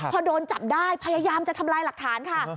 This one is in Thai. พอโดนจับได้พยายามจะทำลายหลักฐานค่ะ